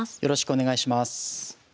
よろしくお願いします。